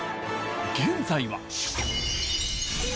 現在は。